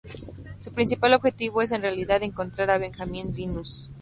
Su principal objetivo es en realidad encontrar a Benjamin Linus.